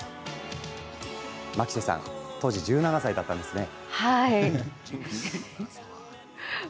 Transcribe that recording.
牧瀬さん当時１７歳だったんですね。